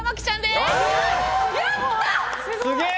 すげえ！